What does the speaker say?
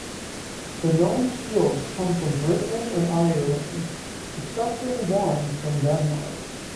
The known shields come from Britain and Ireland, excepting one from Denmark.